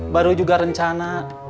baru juga rencana